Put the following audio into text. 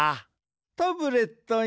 タブレットン